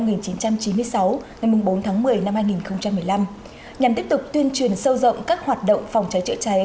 năm một nghìn chín trăm chín mươi sáu ngày bốn tháng một mươi năm hai nghìn một mươi năm nhằm tiếp tục tuyên truyền sâu rộng các hoạt động phòng cháy chữa cháy